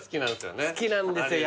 好きなんですよ